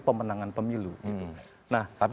pemenangan pemilu nah tapi